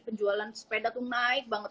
penjualan sepeda tuh naik banget